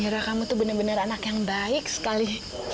hera kamu tuh bener bener anak yang baik sekali